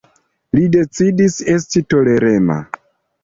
Li decidis esti tolerema.